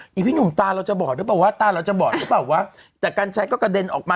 นี่พี่หนุ่มตาเราจะบอดหรือเปล่าว่าตาเราจะบอดหรือเปล่าวะแต่กัญชัยก็กระเด็นออกมา